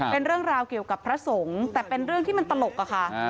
เป็นเรื่องราวเกี่ยวกับพระสงฆ์แต่เป็นเรื่องที่มันตลกอะค่ะ